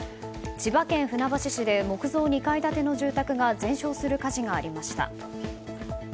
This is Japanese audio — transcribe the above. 千葉県船橋市で木造２階建ての住宅が全焼する火事がありました。